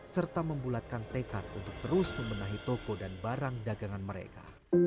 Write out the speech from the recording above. serta membulatkan tekad untuk terus membenahi toko dan barang dagangan mereka